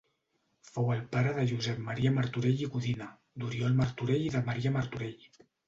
Fou el pare de Josep Maria Martorell i Codina, d'Oriol Martorell i de Maria Martorell.